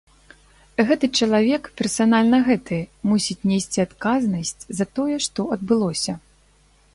Гэты чалавек, персанальна гэты, мусіць несці адказнасць за тое, што адбылося.